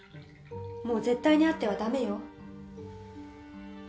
もう絶対に会っては駄目よ